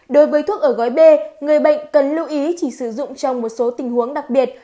đối với thuốc ở gói b người bệnh cần lưu ý chỉ sử dụng trong một số tình huống đặc biệt